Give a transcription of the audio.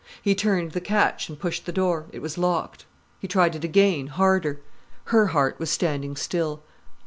He turned the catch and pushed the door—it was locked. He tried it again, harder. Her heart was standing still.